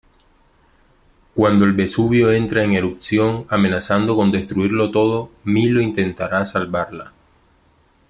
Cuando el Vesubio entra en erupción amenazando con destruirlo todo, Milo intentará salvarla...